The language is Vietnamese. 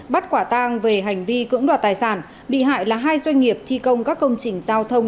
bắt quả tang về hành vi cưỡng đoạt tài sản bị hại là hai doanh nghiệp thi công các công trình giao thông